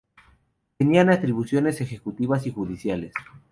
Tenían atribuciones ejecutivas y judiciales.